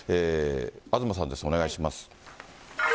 東さんです、お願いします。